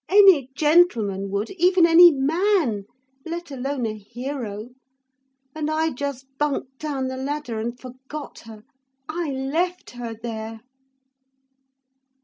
'Any gentleman would even any man let alone a hero. And I just bunked down the ladder and forgot her. I left her there.'